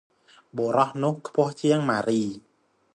បុរសនោះខ្ពស់ជាងម៉ារី ។